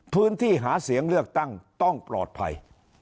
พื้นที่หาเสียงเลือกตั้งต้องปลอดภัย